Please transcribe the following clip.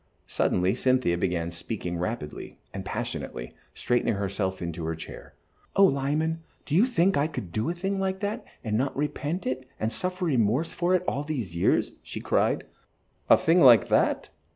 Suddenly Cynthia began speaking rapidly and passionately, straightening herself in her chair. "Oh, Lyman, do you think I could do a thing like that, and not repent it and suffer remorse for it all these years?" she cried. "A thing like that?"